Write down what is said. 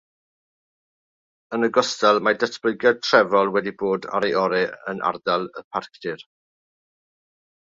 Yn ogystal, mae datblygiad trefol wedi bod ar ei orau yn ardal y parcdir.